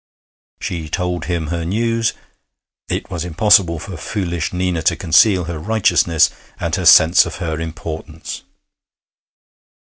She told him her news; it was impossible for foolish Nina to conceal her righteousness and her sense of her importance.